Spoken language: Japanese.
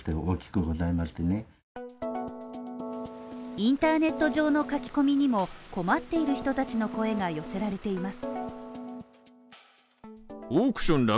インターネット上の書き込みにも困っている人たちの声が寄せられています。